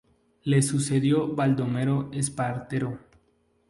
Le sucedió Baldomero Espartero.